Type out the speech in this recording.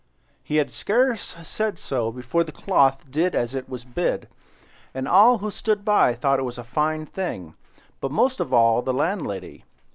He had scarce said so before the cloth did as it was bid; and all who stood by thought it a fine thing, but most of all the landlady.